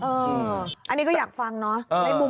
เอออันนี้ก็อยากฟังเนอะ